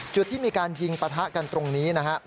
จุดที่มีการยิงปะทะกันตรงนี้นะครับ